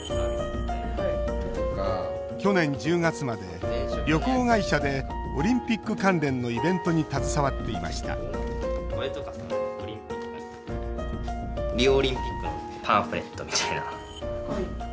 去年１０月まで旅行会社でオリンピック関連のイベントに携わっていましたリオ